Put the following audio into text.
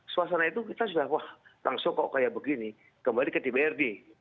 suasana itu kita sudah wah langsung kok kayak begini kembali ke dprd